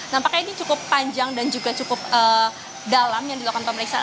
nampaknya ini cukup panjang dan juga cukup dalam yang dilakukan pemeriksaan